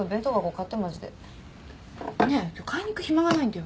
買いに行く暇がないんだよ。